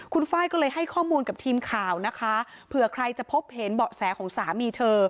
คุณไฟล์ก็เลยให้ข้อมูลกับทีมข่าวนะคะเผื่อใครจะพบเห็นเบาะแสของสามีเธอ